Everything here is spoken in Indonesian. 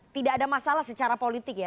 tidak ada masalah secara politik ya